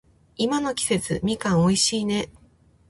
今の季節、みかん美味しいね。